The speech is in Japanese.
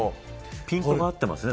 ピンクがかってますね